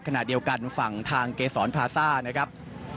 ขณะเดียวกันฝั่งทางเกษรพาซ่านะครับ